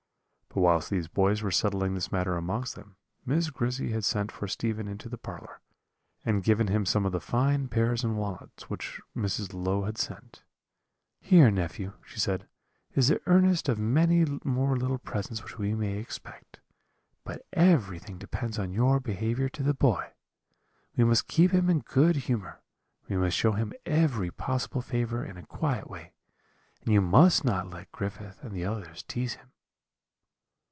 "But whilst these boys were settling this matter amongst them, Miss Grizzy had sent for Stephen into the parlour, and given him some of the fine pears and walnuts which Mrs. Low had sent. "'Here, nephew,' she said, 'is the earnest of many more little presents which we may expect; but everything depends on your behaviour to the boy. We must keep him in good humour we must show him every possible favour in a quiet way, and you must not let Griffith and the others tease him.'